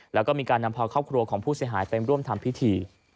แล้วก็มีการนำพาครอบครัวของผู้เสียหายไปร่วมทำพิธี